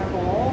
trồng ở đâu em